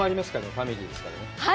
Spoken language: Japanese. ファミリーですから。